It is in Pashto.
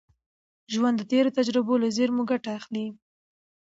ژوند د تېرو تجربو له زېرمي ګټه اخلي.